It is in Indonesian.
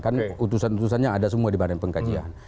kan utusan utusannya ada semua di badan pengkajian